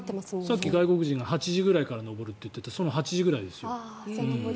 さっき外国人が８時くらいから登るって言っていてその８時ぐらいですよ。